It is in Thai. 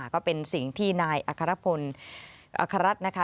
ก็เป็นสิ่งที่นายอัครพลอัครรัฐนะคะ